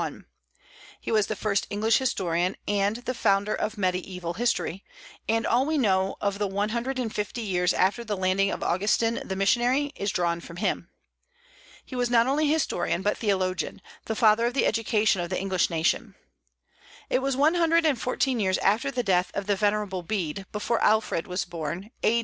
He was the first English historian, and the founder of mediaeval history, and all we know of the one hundred and fifty years after the landing of Augustin the missionary is drawn from him. He was not only historian, but theologian, the father of the education of the English nation. It was one hundred and fourteen years after the death of the "venerable Bede" before Alfred was born, A.